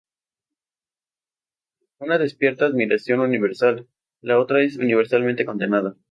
Una despierta admiración universal, la otra es universalmente condenada.